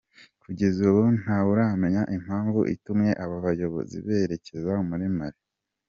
Kugeza ubu nta wuramenya impamvu itumye aba bayobozi berekeza muri Mali.